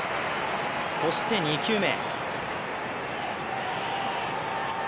そして２球目。